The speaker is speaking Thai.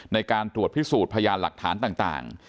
ในการตรวจพิสูจน์พยานหลักฐานต่าง